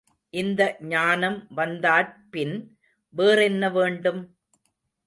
இந்த ஞானம் வந்தாற்பின் வேறென்ன வேண்டும்?